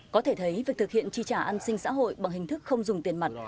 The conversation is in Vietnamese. có thể thấy việc thực hiện chi trả an sinh xã hội bằng hình thức không dùng tiền mặt